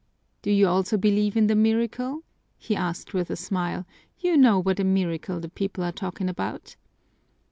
"Do you also believe in the miracle?" he asked with a smile. "You know what a miracle the people are talking about."